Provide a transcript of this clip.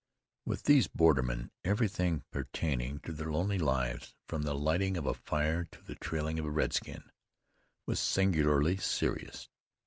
With these bordermen everything pertaining to their lonely lives, from the lighting of a fire to the trailing of a redskin, was singularly serious.